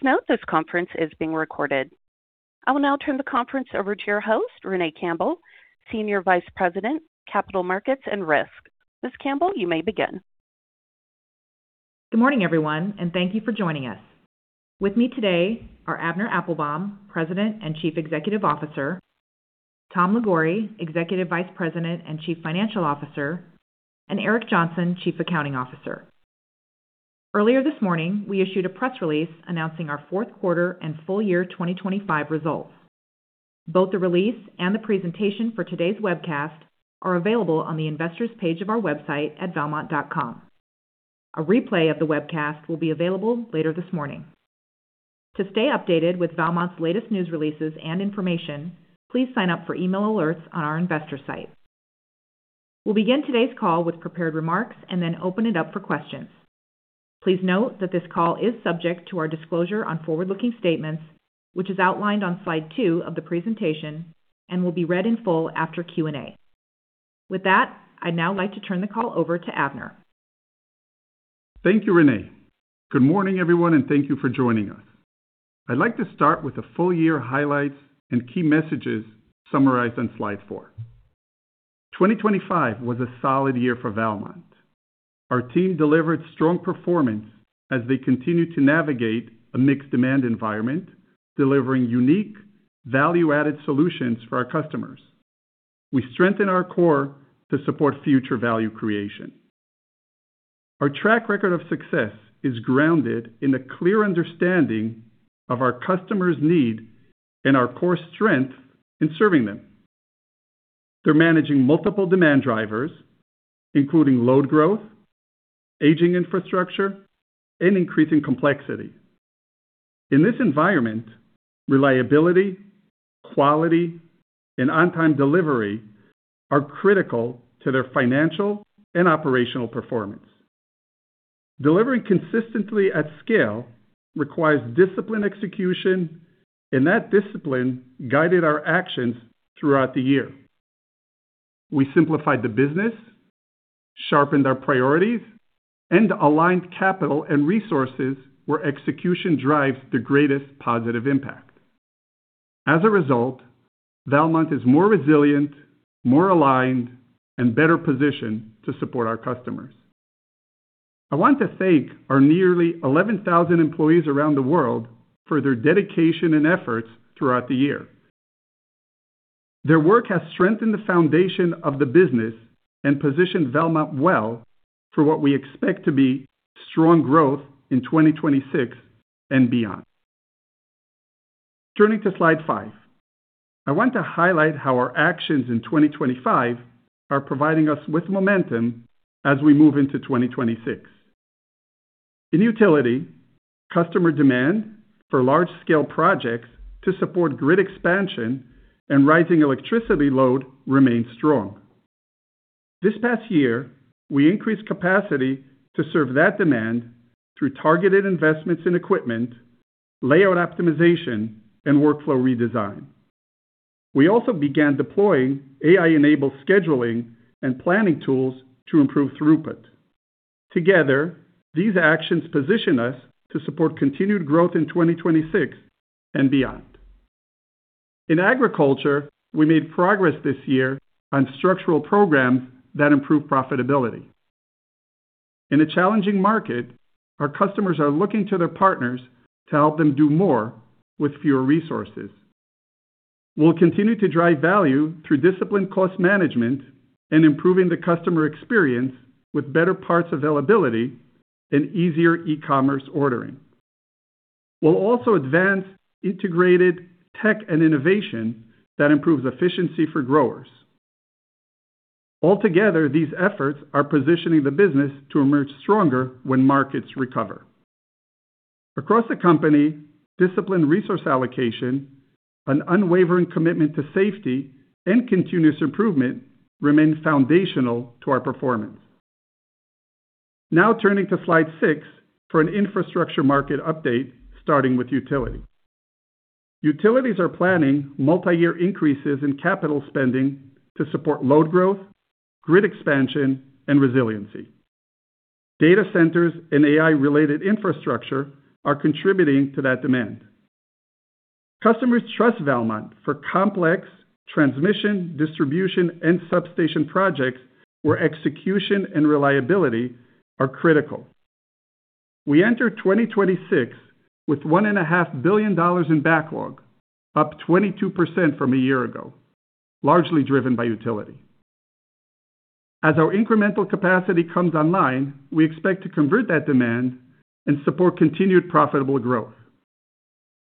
Please note this conference is being recorded. I will now turn the conference over to your host, Renee Campbell, Senior Vice President, Capital Markets & Risk. Ms. Campbell, you may begin. Good morning, everyone, and thank you for joining us. With me today are Avner Applbaum, President and Chief Executive Officer; Tom Liguori, Executive Vice President and Chief Financial Officer; and Eric Johnson, Chief Accounting Officer. Earlier this morning we issued a press release announcing our fourth quarter and full year 2025 results. Both the release and the presentation for today's webcast are available on the investors' page of our website at Valmont.com. A replay of the webcast will be available later this morning. To stay updated with Valmont's latest news releases and information, please sign up for email alerts on our investor site. We'll begin today's call with prepared remarks and then open it up for questions. Please note that this call is subject to our disclosure on forward-looking statements, which is outlined on slide 2 of the presentation and will be read in full after Q&A. With that, I'd now like to turn the call over to Avner. Thank you, Renee. Good morning, everyone, and thank you for joining us. I'd like to start with the full year highlights and key messages summarized on slide four. 2025 was a solid year for Valmont. Our team delivered strong performance as they continued to navigate a mixed-demand environment, delivering unique, value-added solutions for our customers. We strengthened our core to support future value creation. Our track record of success is grounded in a clear understanding of our customers' need and our core strength in serving them. They're managing multiple demand drivers, including load growth, aging infrastructure, and increasing complexity. In this environment, reliability, quality, and on-time delivery are critical to their financial and operational performance. Delivering consistently at scale requires disciplined execution, and that discipline guided our actions throughout the year. We simplified the business, sharpened our priorities, and aligned capital and resources where execution drives the greatest positive impact. As a result, Valmont is more resilient, more aligned, and better positioned to support our customers. I want to thank our nearly 11,000 employees around the world for their dedication and efforts throughout the year. Their work has strengthened the foundation of the business and positioned Valmont well for what we expect to be strong growth in 2026 and beyond. Turning to slide 5, I want to highlight how our actions in 2025 are providing us with momentum as we move into 2026. In utility, customer demand for large-scale projects to support grid expansion and rising electricity load remains strong. This past year, we increased capacity to serve that demand through targeted investments in equipment, layout optimization, and workflow redesign. We also began deploying AI-enabled scheduling and planning tools to improve throughput. Together, these actions position us to support continued growth in 2026 and beyond. In agriculture, we made progress this year on structural programs that improve profitability. In a challenging market, our customers are looking to their partners to help them do more with fewer resources. We'll continue to drive value through disciplined cost management and improving the customer experience with better parts availability and easier e-commerce ordering. We'll also advance integrated tech and innovation that improves efficiency for growers. Altogether, these efforts are positioning the business to emerge stronger when markets recover. Across the company, disciplined resource allocation, an unwavering commitment to safety, and continuous improvement remain foundational to our performance. Now turning to slide six for an infrastructure market update starting with utility. Utilities are planning multi-year increases in capital spending to support load growth, grid expansion, and resiliency. Data centers and AI-related infrastructure are contributing to that demand. Customers trust Valmont for complex transmission, distribution, and substation projects where execution and reliability are critical. We enter 2026 with $1.5 billion in backlog, up 22% from a year ago, largely driven by utility. As our incremental capacity comes online, we expect to convert that demand and support continued profitable growth.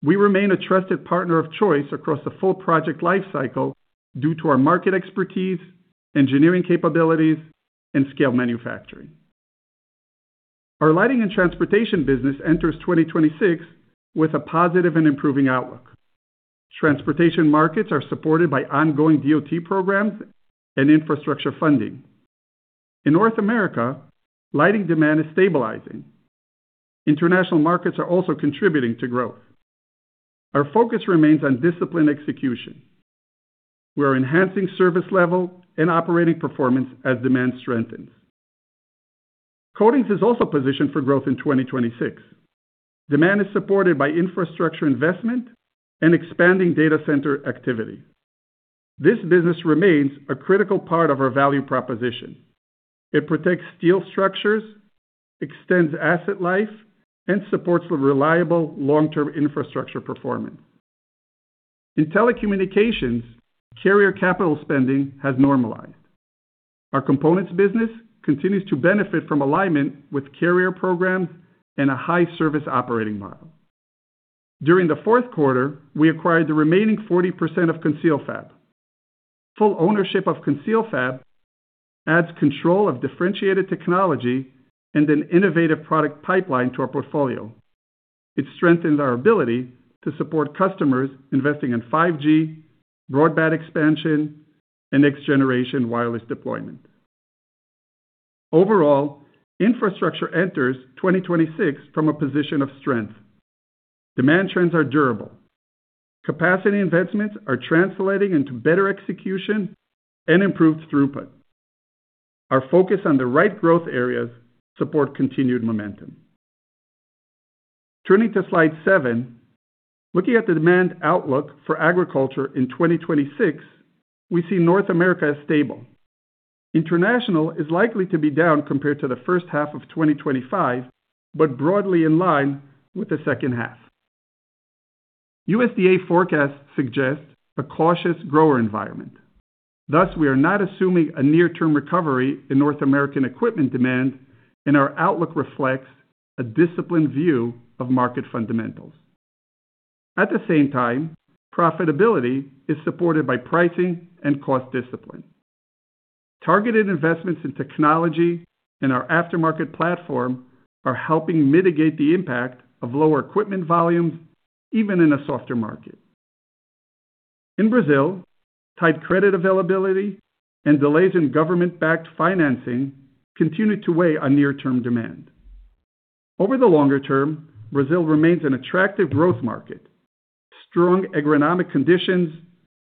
We remain a trusted partner of choice across the full project lifecycle due to our market expertise, engineering capabilities, and scale manufacturing. Our lighting and transportation business enters 2026 with a positive and improving outlook. Transportation markets are supported by ongoing DOT programs and infrastructure funding. In North America, lighting demand is stabilizing. International markets are also contributing to growth. Our focus remains on disciplined execution. We are enhancing service level and operating performance as demand strengthens. Coatings is also positioned for growth in 2026. Demand is supported by infrastructure investment and expanding data center activity. This business remains a critical part of our value proposition. It protects steel structures, extends asset life, and supports reliable, long-term infrastructure performance. In telecommunications, carrier capital spending has normalized. Our components business continues to benefit from alignment with carrier programs and a high-service operating model. During the fourth quarter, we acquired the remaining 40% of ConcealFab. Full ownership of ConcealFab adds control of differentiated technology and an innovative product pipeline to our portfolio. It strengthens our ability to support customers investing in 5G, broadband expansion, and next-generation wireless deployment. Overall, infrastructure enters 2026 from a position of strength. Demand trends are durable. Capacity investments are translating into better execution and improved throughput. Our focus on the right growth areas supports continued momentum. Turning to slide 7, looking at the demand outlook for agriculture in 2026, we see North America as stable. International is likely to be down compared to the first half of 2025 but broadly in line with the second half. USDA forecasts suggest a cautious grower environment. Thus, we are not assuming a near-term recovery in North American equipment demand, and our outlook reflects a disciplined view of market fundamentals. At the same time, profitability is supported by pricing and cost discipline. Targeted investments in technology and our aftermarket platform are helping mitigate the impact of lower equipment volumes even in a softer market. In Brazil, tight credit availability and delays in government-backed financing continue to weigh on near-term demand. Over the longer term, Brazil remains an attractive growth market. Strong agronomic conditions,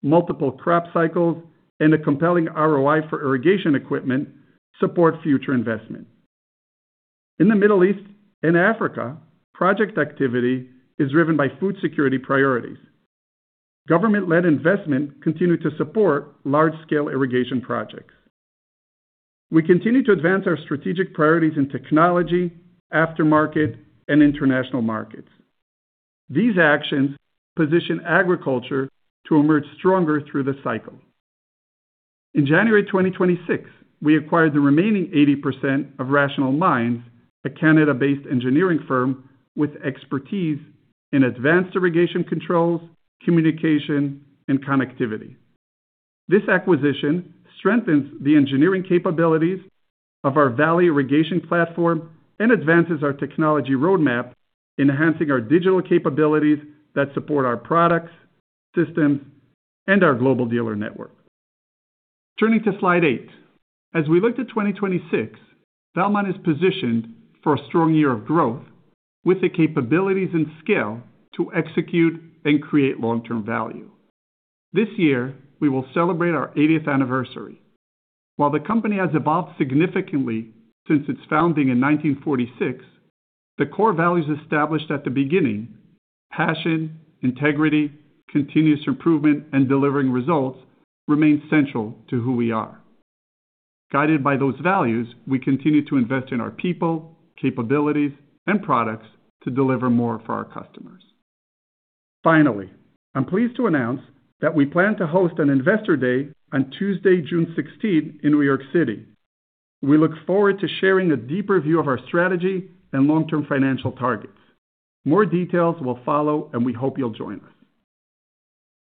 multiple crop cycles, and a compelling ROI for irrigation equipment support future investment. In the Middle East and Africa, project activity is driven by food security priorities. Government-led investment continues to support large-scale irrigation projects. We continue to advance our strategic priorities in technology, aftermarket, and international markets. These actions position agriculture to emerge stronger through the cycle. In January 2026, we acquired the remaining 80% of Rational Mines, a Canada-based engineering firm with expertise in advanced irrigation controls, communication, and connectivity. This acquisition strengthens the engineering capabilities of our Valley Irrigation platform and advances our technology roadmap, enhancing our digital capabilities that support our products, systems, and our global dealer network. Turning to slide 8, as we look to 2026, Valmont is positioned for a strong year of growth with the capabilities and scale to execute and create long-term value. This year, we will celebrate our 80th anniversary. While the company has evolved significantly since its founding in 1946, the core values established at the beginning - passion, integrity, continuous improvement, and delivering results - remain central to who we are. Guided by those values, we continue to invest in our people, capabilities, and products to deliver more for our customers. Finally, I'm pleased to announce that we plan to host an investor day on Tuesday, June 16, in New York City. We look forward to sharing a deeper view of our strategy and long-term financial targets. More details will follow, and we hope you'll join us.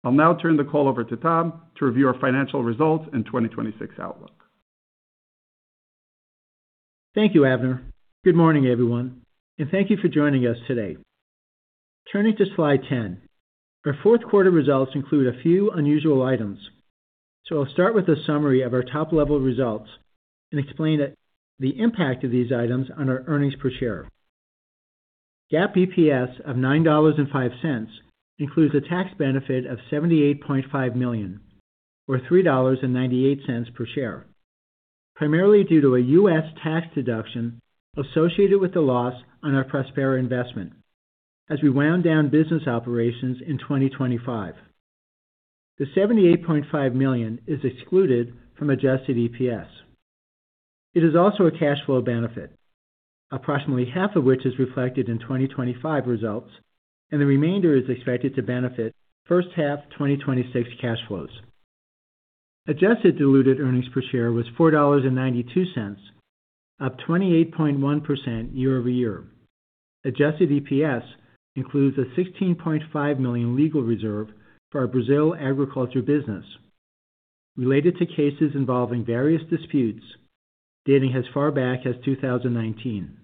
I'll now turn the call over to Tom to review our financial results and 2026 outlook. Thank you, Avner. Good morning, everyone, and thank you for joining us today. Turning to slide 10, our fourth quarter results include a few unusual items, so I'll start with a summary of our top-level results and explain the impact of these items on our earnings per share. GAAP EPS of $9.05 includes a tax benefit of $78.5 million, or $3.98 per share, primarily due to a U.S. tax deduction associated with the loss on our Prospera investment as we wound down business operations in 2025. The $78.5 million is excluded from adjusted EPS. It is also a cash flow benefit, approximately half of which is reflected in 2025 results, and the remainder is expected to benefit first-half 2026 cash flows. Adjusted diluted earnings per share was $4.92, up 28.1% year-over-year. Adjusted EPS includes a $16.5 million legal reserve for our Brazil agriculture business, related to cases involving various disputes, dating as far back as 2019.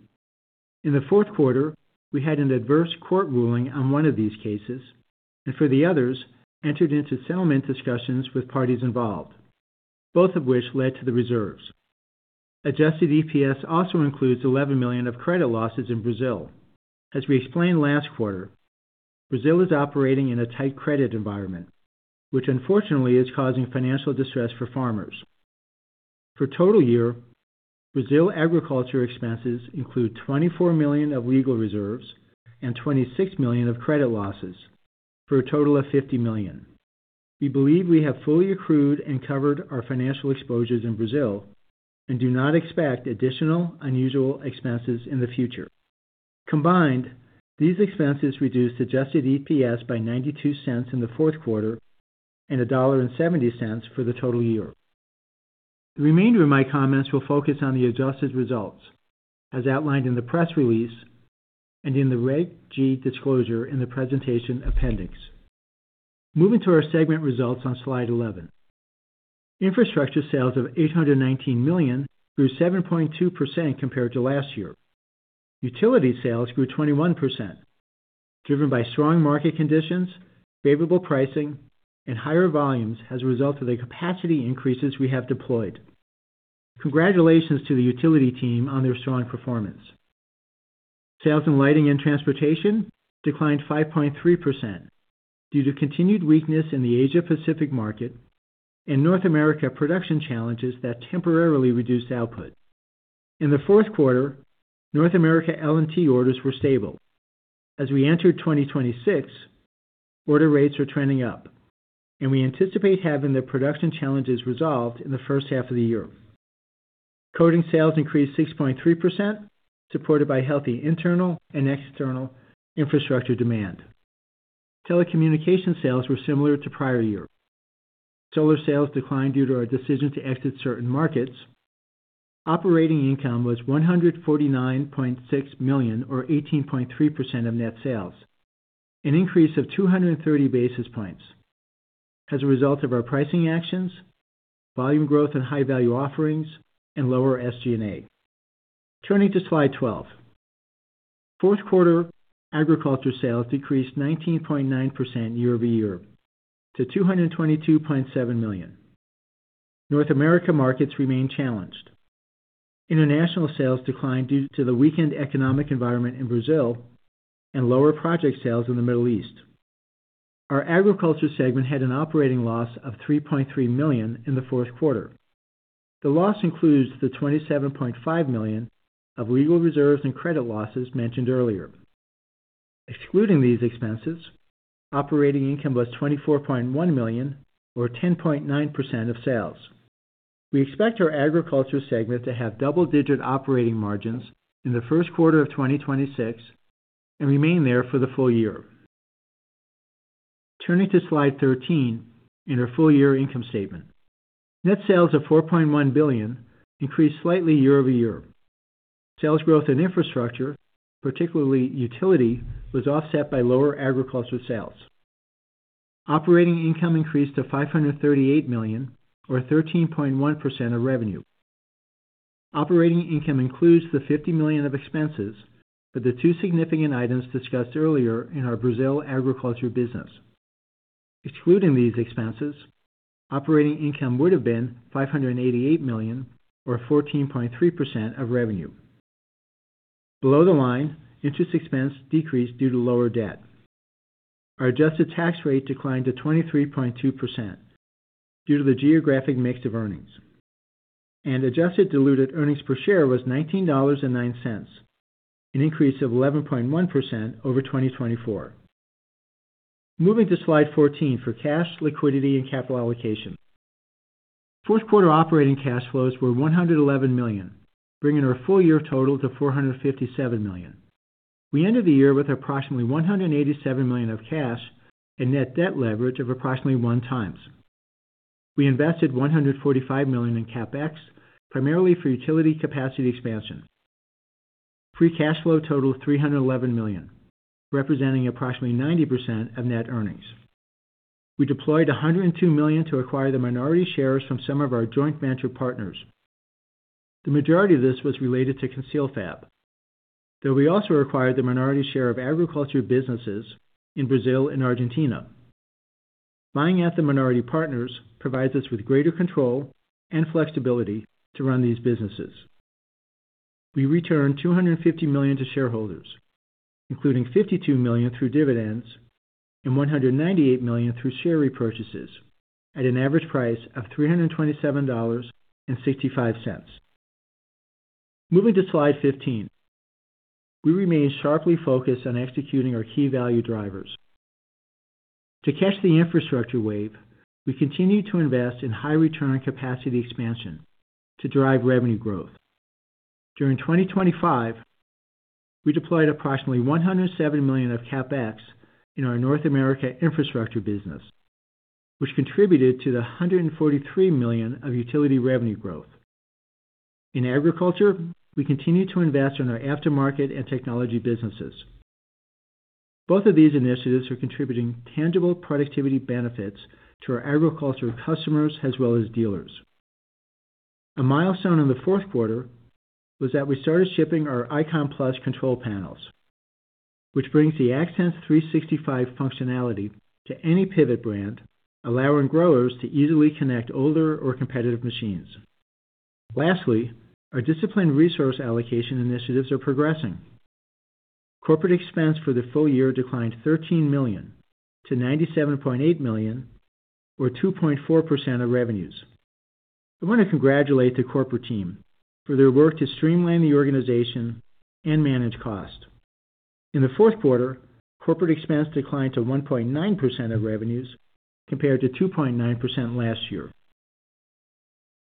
In the fourth quarter, we had an adverse court ruling on one of these cases, and for the others, entered into settlement discussions with parties involved, both of which led to the reserves. Adjusted EPS also includes $11 million of credit losses in Brazil. As we explained last quarter, Brazil is operating in a tight credit environment, which unfortunately is causing financial distress for farmers. For total year, Brazil agriculture expenses include $24 million of legal reserves and $26 million of credit losses, for a total of $50 million. We believe we have fully accrued and covered our financial exposures in Brazil and do not expect additional unusual expenses in the future. Combined, these expenses reduced adjusted EPS by $0.92 in the fourth quarter and $1.70 for the total year. The remainder of my comments will focus on the adjusted results, as outlined in the press release and in the Reg G disclosure in the presentation appendix. Moving to our segment results on slide 11. Infrastructure sales of $819 million grew 7.2% compared to last year. Utility sales grew 21%. Driven by strong market conditions, favorable pricing, and higher volumes as a result of the capacity increases we have deployed, congratulations to the utility team on their strong performance. Sales in lighting and transportation declined 5.3% due to continued weakness in the Asia-Pacific market and North America production challenges that temporarily reduced output. In the fourth quarter, North America L&T orders were stable. As we entered 2026, order rates are trending up, and we anticipate having the production challenges resolved in the first half of the year. Coatings sales increased 6.3%, supported by healthy internal and external infrastructure demand. Telecommunications sales were similar to prior year. Solar sales declined due to our decision to exit certain markets. Operating income was $149.6 million, or 18.3% of net sales, an increase of 230 basis points, as a result of our pricing actions, volume growth in high-value offerings, and lower SG&A. Turning to slide 12. Fourth quarter, agriculture sales decreased 19.9% year over year to $222.7 million. North America markets remain challenged. International sales declined due to the weakened economic environment in Brazil and lower project sales in the Middle East. Our agriculture segment had an operating loss of $3.3 million in the fourth quarter. The loss includes the $27.5 million of legal reserves and credit losses mentioned earlier. Excluding these expenses, operating income was $24.1 million, or 10.9% of sales. We expect our agriculture segment to have double-digit operating margins in the first quarter of 2026 and remain there for the full year. Turning to slide 13 in our full-year income statement. Net sales of $4.1 billion increased slightly year-over-year. Sales growth in infrastructure, particularly utility, was offset by lower agriculture sales. Operating income increased to $538 million, or 13.1% of revenue. Operating income includes the $50 million of expenses for the two significant items discussed earlier in our Brazil agriculture business. Excluding these expenses, operating income would have been $588 million, or 14.3% of revenue. Below the line, interest expense decreased due to lower debt. Our adjusted tax rate declined to 23.2% due to the geographic mix of earnings. Adjusted diluted earnings per share was $19.09, an increase of 11.1% over 2024. Moving to slide 14 for cash, liquidity, and capital allocation. Fourth quarter operating cash flows were $111 million, bringing our full-year total to $457 million. We entered the year with approximately $187 million of cash and net debt leverage of approximately 1x. We invested $145 million in CapEx, primarily for utility capacity expansion. Free cash flow totaled $311 million, representing approximately 90% of net earnings. We deployed $102 million to acquire the minority shares from some of our joint venture partners. The majority of this was related to ConcealFab, though we also acquired the minority share of agriculture businesses in Brazil and Argentina. Buying at the minority partners provides us with greater control and flexibility to run these businesses. We returned $250 million to shareholders, including $52 million through dividends and $198 million through share repurchases, at an average price of $327.65. Moving to slide 15. We remained sharply focused on executing our key value drivers. To catch the infrastructure wave, we continued to invest in high-return capacity expansion to drive revenue growth. During 2025, we deployed approximately $107 million of CapEx in our North America infrastructure business, which contributed to the $143 million of utility revenue growth. In agriculture, we continue to invest in our aftermarket and technology businesses. Both of these initiatives are contributing tangible productivity benefits to our agriculture customers as well as dealers. A milestone in the fourth quarter was that we started shipping our ICON Plus control panels, which brings the AgSense 365 functionality to any pivot brand, allowing growers to easily connect older or competitive machines. Lastly, our disciplined resource allocation initiatives are progressing. Corporate expense for the full year declined $13 million to $97.8 million, or 2.4% of revenues. I want to congratulate the corporate team for their work to streamline the organization and manage cost. In the fourth quarter, corporate expense declined to 1.9% of revenues compared to 2.9% last year.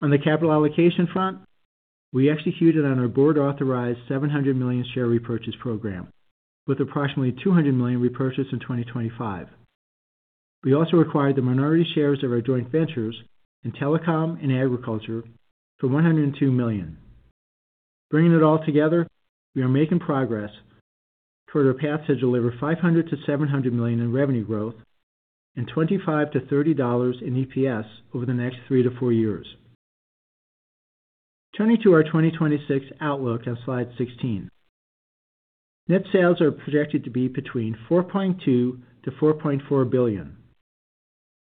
On the capital allocation front, we executed on our board-authorized $700 million share repurchase program, with approximately $200 million repurchased in 2025. We also acquired the minority shares of our joint ventures in telecom and agriculture for $102 million. Bringing it all together, we are making progress toward our path to deliver $500-$700 million in revenue growth and $25-$30 in EPS over the next three to four years. Turning to our 2026 outlook on slide 16. Net sales are projected to be between $4.2-$4.4 billion.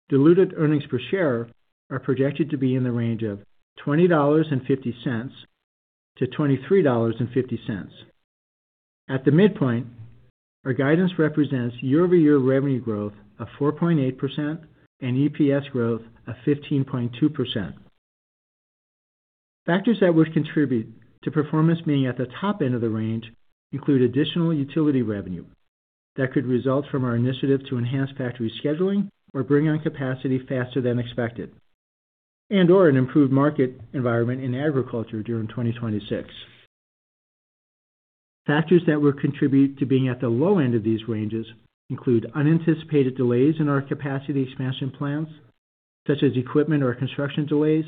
Diluted earnings per share are projected to be in the range of $20.50-$23.50. At the midpoint, our guidance represents year-over-year revenue growth of 4.8% and EPS growth of 15.2%. Factors that would contribute to performance being at the top end of the range include additional utility revenue that could result from our initiative to enhance factory scheduling or bring on capacity faster than expected, and/or an improved market environment in agriculture during 2026. Factors that would contribute to being at the low end of these ranges include unanticipated delays in our capacity expansion plans, such as equipment or construction delays,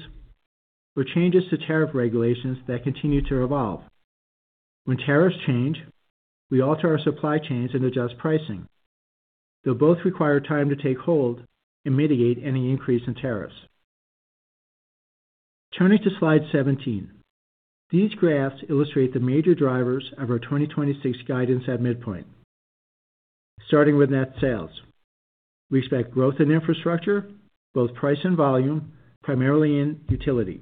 or changes to tariff regulations that continue to evolve. When tariffs change, we alter our supply chains and adjust pricing, though both require time to take hold and mitigate any increase in tariffs. Turning to slide 17. These graphs illustrate the major drivers of our 2026 guidance at midpoint. Starting with net sales. We expect growth in infrastructure, both price and volume, primarily in utility.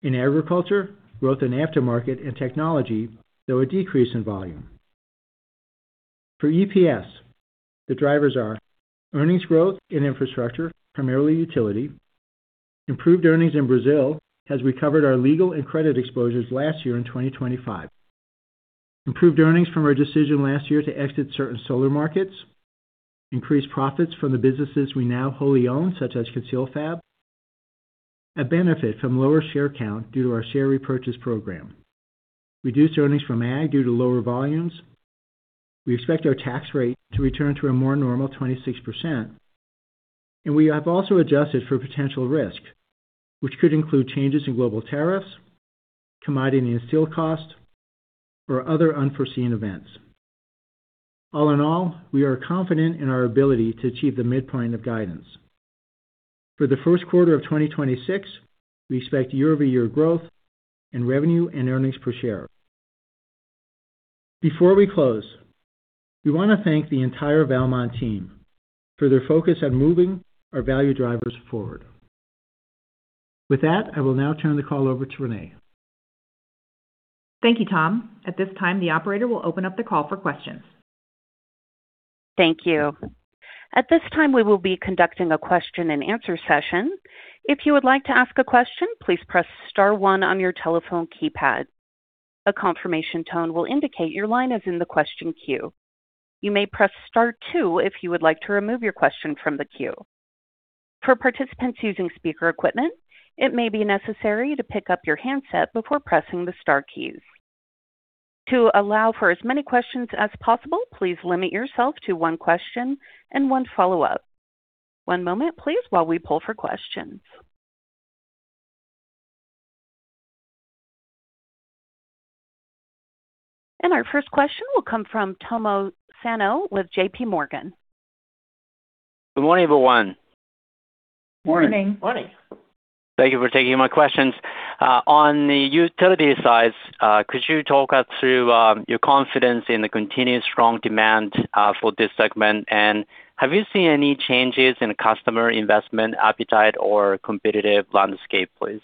In agriculture, growth in aftermarket and technology, though a decrease in volume. For EPS, the drivers are: earnings growth in infrastructure, primarily utility. Improved earnings in Brazil has recovered our legal and credit exposures last year in 2025. Improved earnings from our decision last year to exit certain solar markets. Increased profits from the businesses we now wholly own, such as ConcealFab. A benefit from lower share count due to our share repurchase program. Reduced earnings from ag due to lower volumes. We expect our tax rate to return to a more normal 26%. We have also adjusted for potential risk, which could include changes in global tariffs, commodity and steel costs, or other unforeseen events. All in all, we are confident in our ability to achieve the midpoint of guidance. For the first quarter of 2026, we expect year-over-year growth in revenue and earnings per share. Before we close, we want to thank the entire Valmont team for their focus on moving our value drivers forward. With that, I will now turn the call over to Renee. Thank you, Tom. At this time, the operator will open up the call for questions. Thank you. At this time, we will be conducting a question-and-answer session. If you would like to ask a question, please press *1 on your telephone keypad. A confirmation tone will indicate your line is in the question queue. You may press *2 if you would like to remove your question from the queue. For participants using speaker equipment, it may be necessary to pick up your handset before pressing the * keys. To allow for as many questions as possible, please limit yourself to one question and one follow-up. One moment, please, while we pull for questions. Our first question will come from Tomo Sano with JP Morgan. Good morning, everyone. Morning. Morning. Thank you for taking my questions. On the utility side, could you talk us through your confidence in the continued strong demand for this segment, and have you seen any changes in customer investment appetite or competitive landscape, please?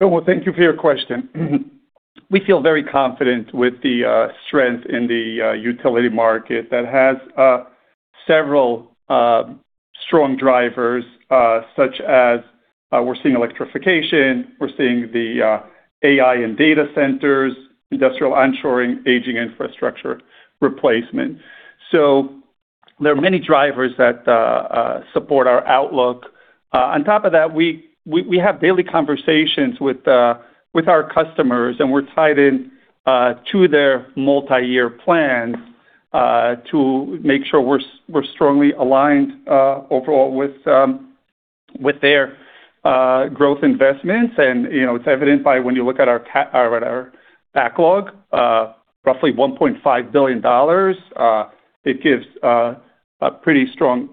Well, thank you for your question. We feel very confident with the strength in the utility market that has several strong drivers, such as we're seeing electrification, we're seeing the AI and data centers, industrial onshoring, aging infrastructure replacement. So there are many drivers that support our outlook. On top of that, we have daily conversations with our customers, and we're tied in to their multi-year plans to make sure we're strongly aligned overall with their growth investments. It's evident by when you look at our backlog, roughly $1.5 billion, it gives a pretty strong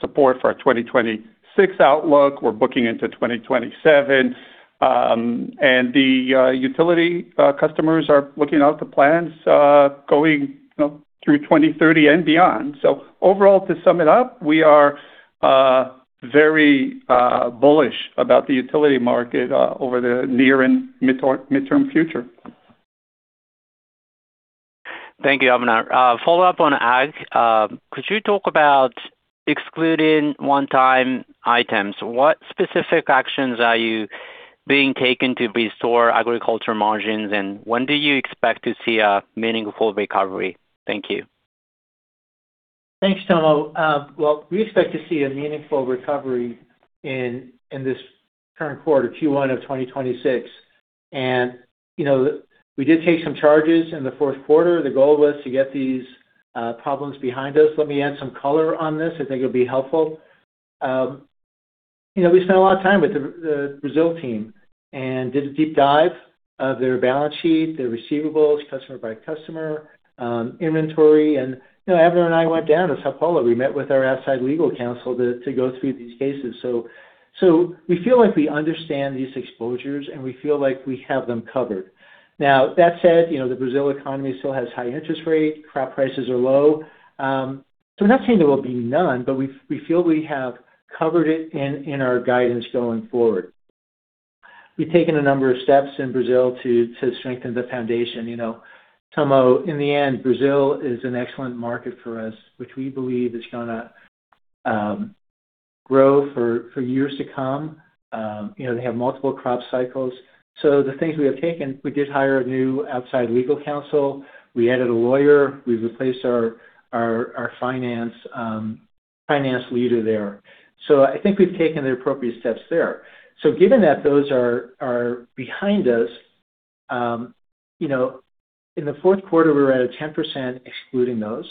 support for our 2026 outlook. We're booking into 2027. The utility customers are looking out to plans going through 2030 and beyond. Overall, to sum it up, we are very bullish about the utility market over the near and midterm future. Thank you, Avner. Follow up on ag. Could you talk about excluding one-time items? What specific actions are you being taken to restore agriculture margins, and when do you expect to see a meaningful recovery? Thank you. Thanks, Tomo. Well, we expect to see a meaningful recovery in this current quarter, Q1 of 2026. We did take some charges in the fourth quarter. The goal was to get these problems behind us. Let me add some color on this. I think it'll be helpful. We spent a lot of time with the Brazil team and did a deep dive of their balance sheet, their receivables, customer-by-customer inventory. Avner and I went down to São Paulo. We met with our outside legal counsel to go through these cases. We feel like we understand these exposures, and we feel like we have them covered. Now, that said, the Brazil economy still has high interest rates. Crop prices are low. We're not saying there will be none, but we feel we have covered it in our guidance going forward. We've taken a number of steps in Brazil to strengthen the foundation. Tomo, in the end, Brazil is an excellent market for us, which we believe is going to grow for years to come. They have multiple crop cycles. So the things we have taken, we did hire a new outside legal counsel. We added a lawyer. We replaced our finance leader there. So I think we've taken the appropriate steps there. So given that those are behind us, in the fourth quarter, we were at 10% excluding those.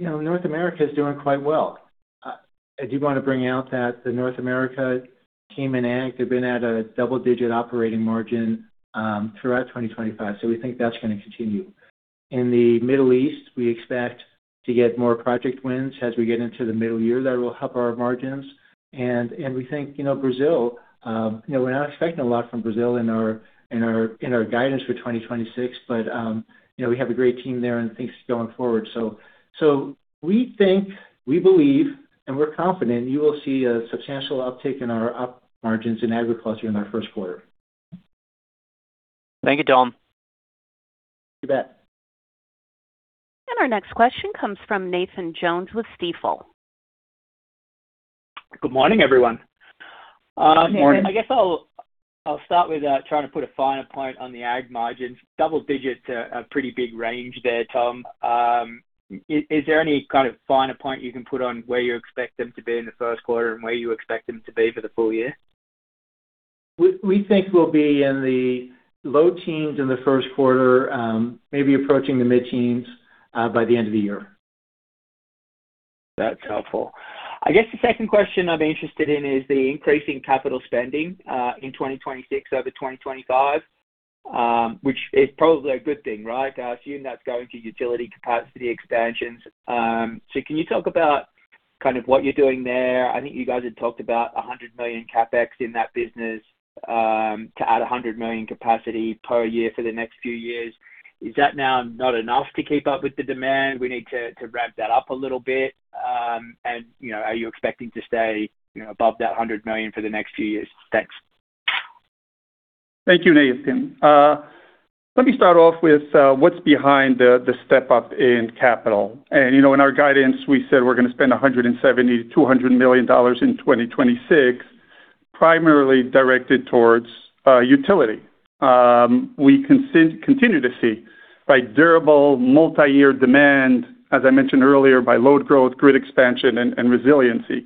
North America is doing quite well. I do want to bring out that the North America team in ag, they've been at a double-digit operating margin throughout 2025, so we think that's going to continue. In the Middle East, we expect to get more project wins as we get into the middle year. That will help our margins. And we think Brazil, we're not expecting a lot from Brazil in our guidance for 2026, but we have a great team there and things going forward. So we think, we believe, and we're confident you will see a substantial uptick in our margins in agriculture in our first quarter. Thank you, Tom. You bet. And our next question comes from Nathan Jones with Stifel. Good morning, everyone. Morning. I guess I'll start with trying to put a finer point on the ag margins. Double-digit, a pretty big range there, Tom. Is there any kind of finer point you can put on where you expect them to be in the first quarter and where you expect them to be for the full year? We think we'll be in the low teens in the first quarter, maybe approaching the mid-teens by the end of the year. That's helpful. I guess the second question I'm interested in is the increasing capital spending in 2026 over 2025, which is probably a good thing, right? Assuming that's going to utility capacity expansions. So can you talk about kind of what you're doing there? I think you guys had talked about $100 million CapEx in that business to add 100 million capacity per year for the next few years. Is that now not enough to keep up with the demand? We need to ramp that up a little bit. And are you expecting to stay above that $100 million for the next few years? Thanks. Thank you, Nathan, Tim. Let me start off with what's behind the step-up in capital. In our guidance, we said we're going to spend $170 million-$200 million in 2026, primarily directed towards utility. We continue to see durable multi-year demand, as I mentioned earlier, by load growth, grid expansion, and resiliency.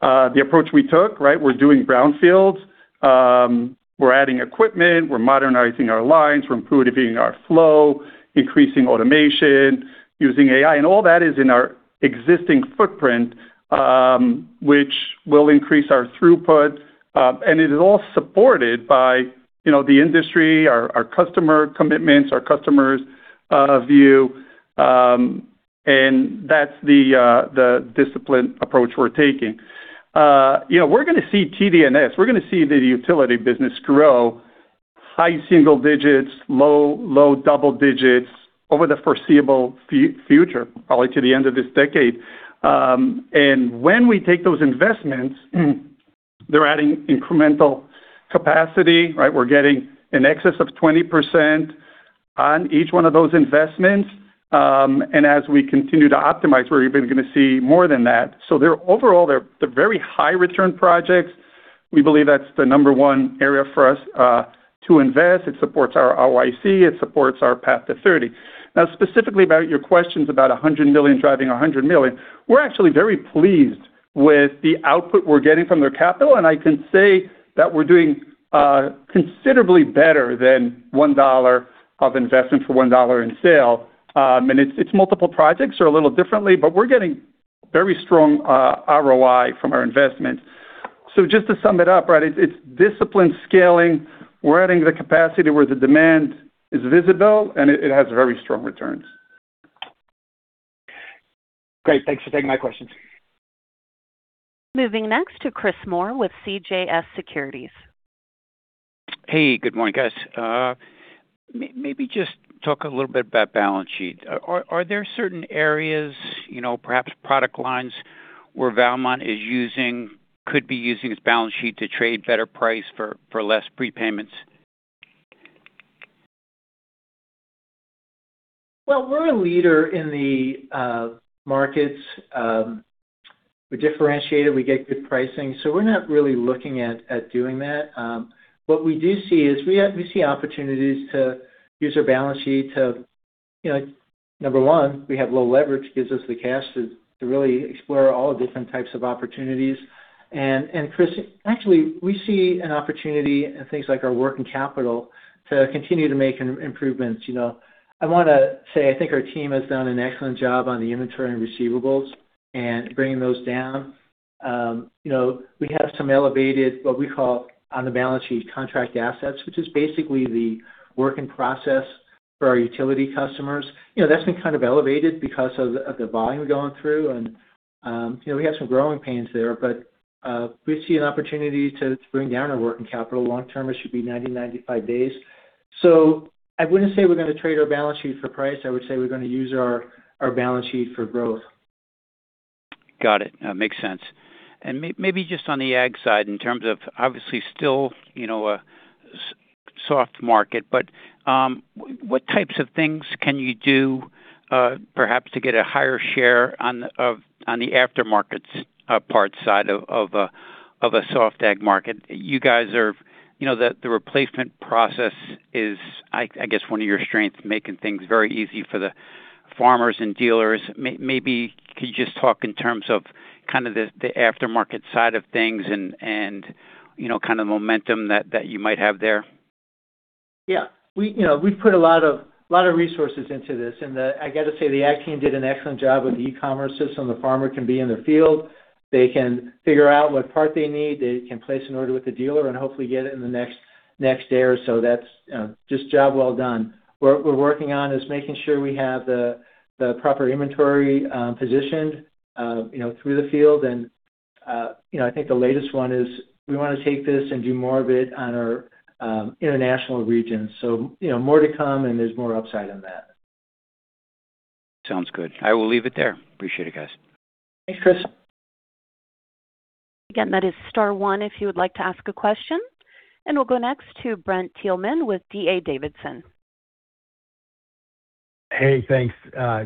The approach we took, right, we're doing brownfields. We're adding equipment. We're modernizing our lines. We're improving our flow, increasing automation, using AI. And all that is in our existing footprint, which will increase our throughput. And it is all supported by the industry, our customer commitments, our customer's view. And that's the disciplined approach we're taking. We're going to see TD&S. We're going to see the utility business grow: high single digits, low double digits over the foreseeable future, probably to the end of this decade. And when we take those investments, they're adding incremental capacity, right? We're getting an excess of 20% on each one of those investments. And as we continue to optimize, we're even going to see more than that. So overall, they're very high-return projects. We believe that's the number one area for us to invest. It supports our ROIC. It supports our path to 30. Now, specifically about your questions about $100 million driving $100 million, we're actually very pleased with the output we're getting from their capital. And I can say that we're doing considerably better than $1 of investment for $1 in sale. And it's multiple projects or a little differently, but we're getting very strong ROI from our investments. So just to sum it up, right, it's disciplined scaling. We're adding the capacity where the demand is visible, and it has very strong returns. Great. Thanks for taking my questions. Moving next to Chris Moore with CJS Securities. Hey, good morning, guys. Maybe just talk a little bit about balance sheet. Are there certain areas, perhaps product lines, where Valmont could be using its balance sheet to trade better price for less prepayments? Well, we're a leader in the markets. We're differentiated. We get good pricing. So we're not really looking at doing that. What we do see is we see opportunities to use our balance sheet to number one, we have low leverage, gives us the cash to really explore all different types of opportunities. And Chris, actually, we see an opportunity in things like our working capital to continue to make improvements. I want to say I think our team has done an excellent job on the inventory and receivables and bringing those down. We have some elevated, what we call on the balance sheet, contract assets, which is basically the work in process for our utility customers. That's been kind of elevated because of the volume going through. And we have some growing pains there, but we see an opportunity to bring down our working capital. Long-term, it should be 90-95 days. So I wouldn't say we're going to trade our balance sheet for price. I would say we're going to use our balance sheet for growth. Got it. That makes sense. And maybe just on the ag side, in terms of obviously still a soft market, but what types of things can you do perhaps to get a higher share on the aftermarkets part side of a soft ag market? You guys are the replacement process is, I guess, one of your strengths, making things very easy for the farmers and dealers. Maybe could you just talk in terms of kind of the aftermarket side of things and kind of the momentum that you might have there? Yeah. We've put a lot of resources into this. And I got to say the ag team did an excellent job with the e-commerce system. The farmer can be in their field. They can figure out what part they need. They can place an order with the dealer and hopefully get it in the next day or so. That's just job well done. What we're working on is making sure we have the proper inventory positioned through the field. And I think the latest one is we want to take this and do more of it on our international region. So more to come, and there's more upside in that. Sounds good. I will leave it there. Appreciate it, guys. Thanks, Chris. Again, that is star one if you would like to ask a question. We'll go next to Brent Theilman with D.A. Davidson. Hey, thanks.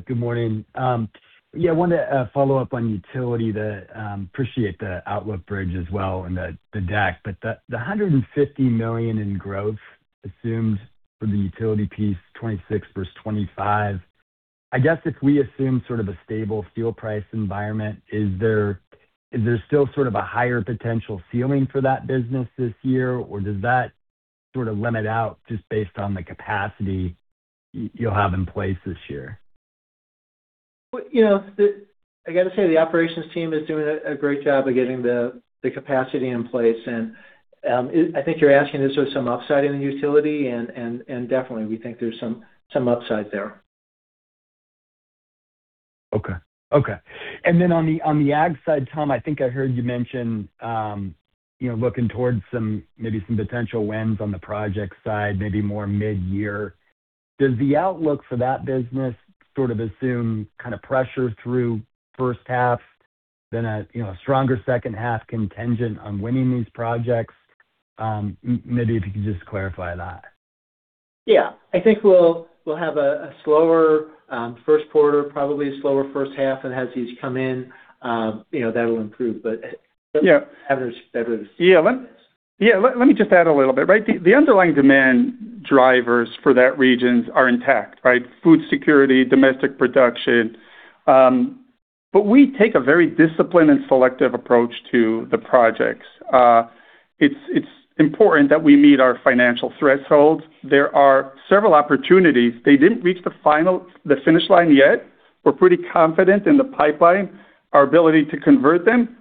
Good morning. Yeah, I wanted to follow up on utility. I appreciate the Outlook Bridge as well and the DAC. But the $150 million in growth assumed for the utility piece, 2026 versus 2025, I guess if we assume sort of a stable fuel price environment, is there still sort of a higher potential ceiling for that business this year, or does that sort of limit out just based on the capacity you'll have in place this year? I got to say the operations team is doing a great job of getting the capacity in place. And I think you're asking is there some upside in the utility? And definitely, we think there's some upside there. Okay. Okay. And then on the ag side, Tom, I think I heard you mention looking towards maybe some potential wins on the project side, maybe more mid-year. Does the outlook for that business sort of assume kind of pressure through first half, then a stronger second half contingent on winning these projects? Maybe if you could just clarify that. Yeah. I think we'll have a slower first quarter, probably a slower first half. And as these come in, that'll improve. But Avner's better to see. Yeah. Let me just add a little bit, right? The underlying demand drivers for that region are intact, right? Food security, domestic production. But we take a very disciplined and selective approach to the projects. It's important that we meet our financial thresholds. There are several opportunities. They didn't reach the finish line yet. We're pretty confident in the pipeline, our ability to convert them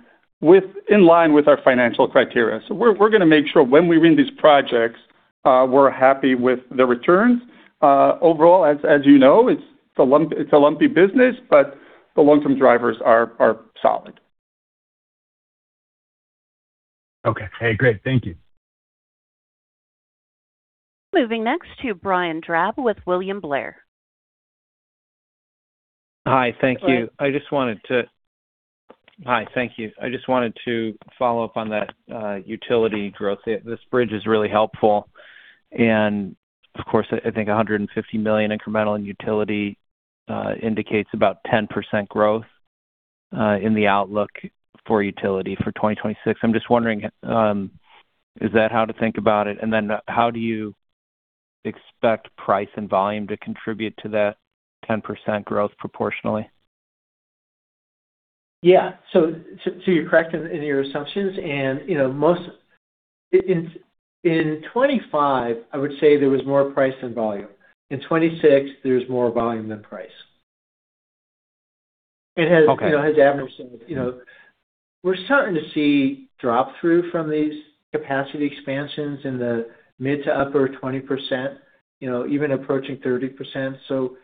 in line with our financial criteria. So we're going to make sure when we win these projects, we're happy with the returns. Overall, as you know, it's a lumpy business, but the long-term drivers are solid. Okay. Hey, great. Thank you. Moving next to Brian Drab with William Blair. Hi. Thank you. I just wanted to follow up on that utility growth. This bridge is really helpful. And of course, I think $150 million incremental in utility indicates about 10% growth in the outlook for utility for 2026. I'm just wondering, is that how to think about it? And then how do you expect price and volume to contribute to that 10% growth proportionally? Yeah. So you're correct in your assumptions. And in 2025, I would say there was more price than volume. In 2026, there's more volume than price. And as Avner said, we're starting to see drop-through from these capacity expansions in the mid to upper 20%, even approaching 30%. So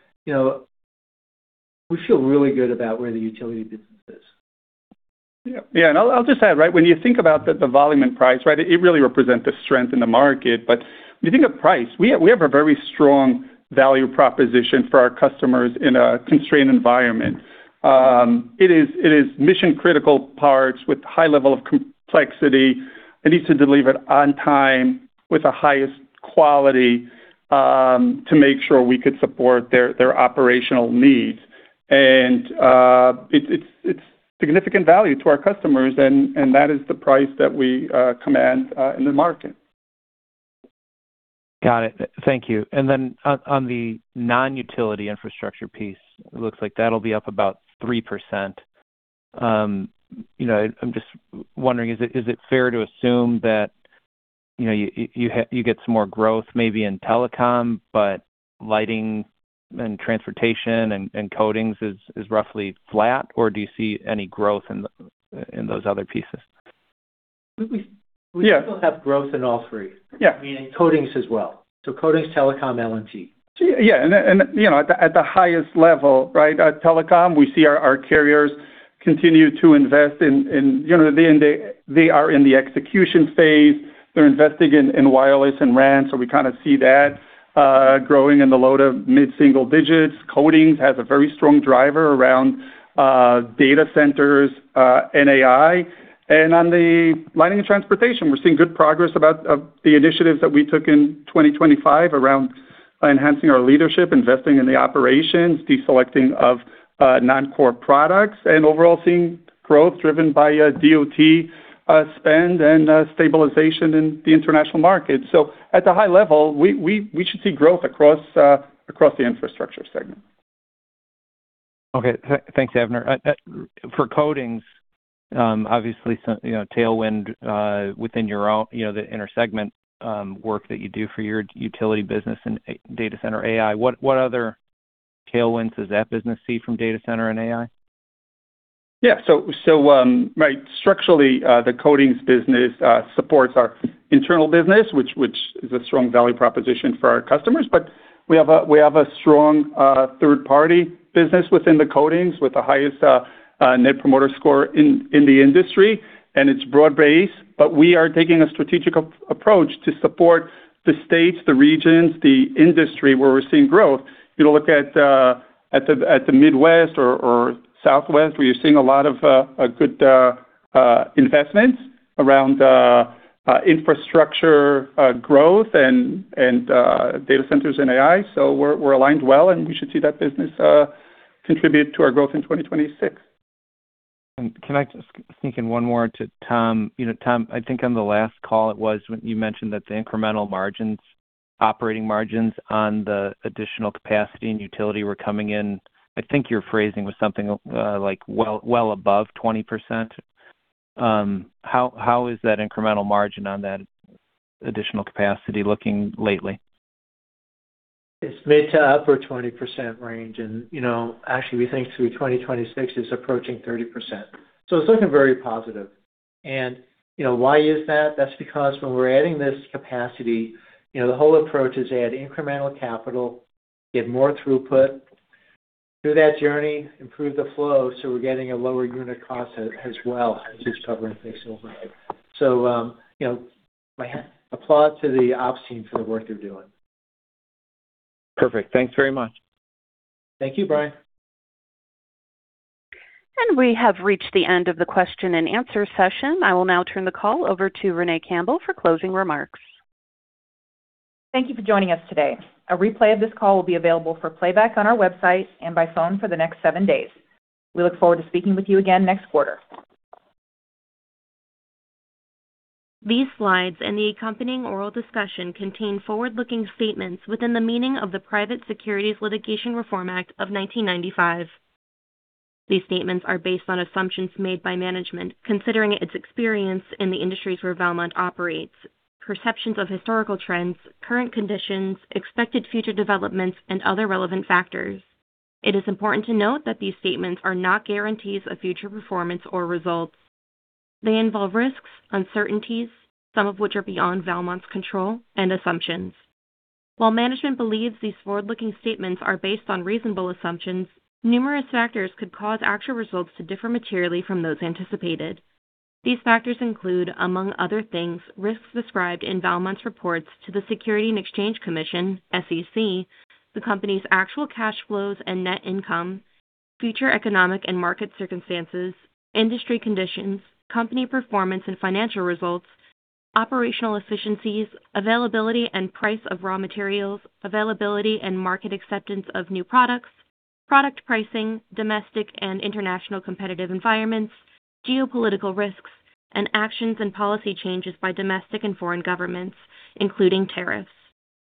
we feel really good about where the utility business is. Yeah. And I'll just add, right, when you think about the volume and price, right, it really represents the strength in the market. But when you think of price, we have a very strong value proposition for our customers in a constrained environment. It is mission-critical parts with high level of complexity. It needs to deliver on time with the highest quality to make sure we could support their operational needs. And it's significant value to our customers, and that is the price that we command in the market. Got it. Thank you. And then on the non-utility infrastructure piece, it looks like that'll be up about 3%. I'm just wondering, is it fair to assume that you get some more growth maybe in telecom, but lighting and transportation and coatings is roughly flat, or do you see any growth in those other pieces? We still have growth in all three. I mean, in coatings as well. So coatings, telecom, L&T. Yeah. And at the highest level, right, telecom, we see our carriers continue to invest in at the end, they are in the execution phase. They're investing in wireless and RAN. So we kind of see that growing in the load of mid-single digits. Coatings has a very strong driver around data centers and AI. On the lighting and transportation, we're seeing good progress about the initiatives that we took in 2025 around enhancing our leadership, investing in the operations, deselecting of non-core products, and overall seeing growth driven by DOT spend and stabilization in the international market. At the high level, we should see growth across the infrastructure segment. Okay. Thanks, Avner. For coatings, obviously, tailwind within your own infrastructure segment work that you do for your utility business and data center AI, what other tailwinds does that business see from data center and AI? Yeah. So right, structurally, the coatings business supports our internal business, which is a strong value proposition for our customers. But we have a strong third-party business within the coatings with the highest Net Promoter Score in the industry. And it's broad-based. But we are taking a strategic approach to support the states, the regions, the industry where we're seeing growth. You look at the Midwest or Southwest, where you're seeing a lot of good investments around infrastructure growth and data centers and AI. So we're aligned well, and we should see that business contribute to our growth in 2026. And can I just sneak in one more to Tom? Tom, I think on the last call, it was when you mentioned that the incremental margins, operating margins on the additional capacity and utility were coming in, I think your phrasing was something like well above 20%. How is that incremental margin on that additional capacity looking lately? It's mid to upper 20% range. And actually, we think through 2026, it's approaching 30%. So it's looking very positive. And why is that? That's because when we're adding this capacity, the whole approach is to add incremental capital, get more throughput through that journey, improve the flow. So we're getting a lower unit cost as well as just covering things overnight. So my applause to the ops team for the work they're doing. Perfect. Thanks very much. Thank you, Brian. And we have reached the end of the question-and-answer session. I will now turn the call over to Renee Campbell for closing remarks. Thank you for joining us today. A replay of this call will be available for playback on our website and by phone for the next seven days. We look forward to speaking with you again next quarter. These slides and the accompanying oral discussion contain forward-looking statements within the meaning of the Private Securities Litigation Reform Act of 1995. These statements are based on assumptions made by management considering its experience in the industries where Valmont operates, perceptions of historical trends, current conditions, expected future developments, and other relevant factors. It is important to note that these statements are not guarantees of future performance or results. They involve risks, uncertainties, some of which are beyond Valmont's control, and assumptions. While management believes these forward-looking statements are based on reasonable assumptions, numerous factors could cause actual results to differ materially from those anticipated. These factors include, among other things, risks described in Valmont's reports to the Securities and Exchange Commission, SEC, the company's actual cash flows and net income, future economic and market circumstances, industry conditions, company performance and financial results, operational efficiencies, availability and price of raw materials, availability and market acceptance of new products, product pricing, domestic and international competitive environments, geopolitical risks, and actions and policy changes by domestic and foreign governments, including tariffs.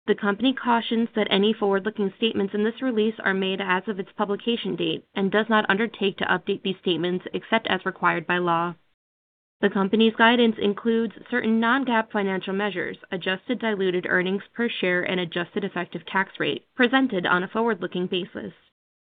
The company cautions that any forward-looking statements in this release are made as of its publication date and does not undertake to update these statements except as required by law. The company's guidance includes certain non-GAAP financial measures, adjusted diluted earnings per share, and adjusted effective tax rate presented on a forward-looking basis.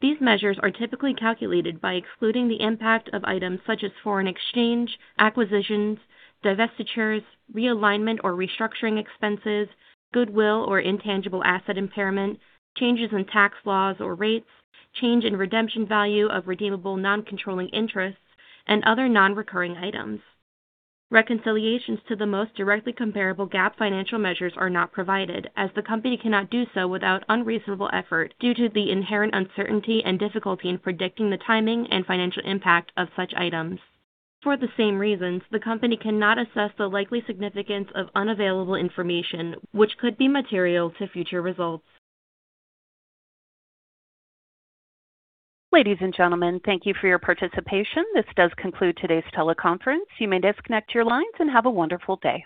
These measures are typically calculated by excluding the impact of items such as foreign exchange, acquisitions, divestitures, realignment or restructuring expenses, goodwill or intangible asset impairment, changes in tax laws or rates, change in redemption value of redeemable non-controlling interests, and other non-recurring items. Reconciliations to the most directly comparable GAAP financial measures are not provided as the company cannot do so without unreasonable effort due to the inherent uncertainty and difficulty in predicting the timing and financial impact of such items. For the same reasons, the company cannot assess the likely significance of unavailable information, which could be material to future results. Ladies and gentlemen, thank you for your participation. This does conclude today's teleconference. You may disconnect your lines and have a wonderful day.